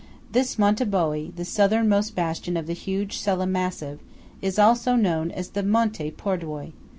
This Monte Boé, the southernmost bastion of the huge Sella Massive, is also known as the Monte Pordoi.